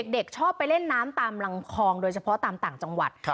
เด็กชอบไปเล่นน้ำตามลำคลองโดยเฉพาะตามต่างจังหวัด